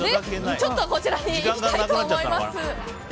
ちょっと、こちらに行きたいと思います。